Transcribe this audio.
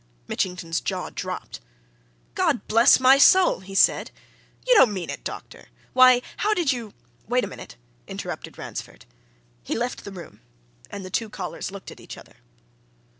Mitchington's jaw dropped. "God bless my soul!" he said. "You don't mean it, doctor! Why, how did you " "Wait a minute," interrupted Ransford. He left the room, and the two callers looked at each other.